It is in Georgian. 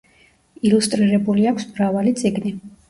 ილუსტრირებული აქვს მრავალი წიგნი.